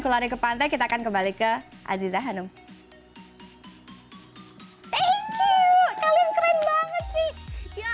kulare ke pantai kita akan kembali ke aziza hanum hai thank you kalian keren banget sih ya